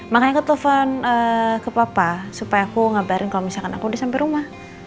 makanya ke telepon ke papa supaya aku ngabarin kalau misalkan aku udah sampai rumah